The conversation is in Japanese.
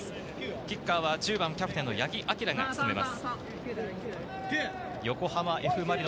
キッカーは１０番キャプテンの八木玲が務めます。